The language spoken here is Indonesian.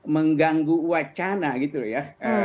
mengganggu wacana gitu ya